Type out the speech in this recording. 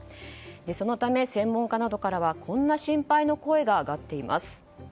そのため、専門家などからはこんな心配の声が上がっています。